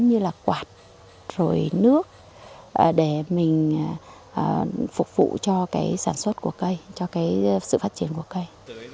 như là quạt rồi nước để mình phục vụ cho cái sản xuất của cây cho cái sự phát triển của cây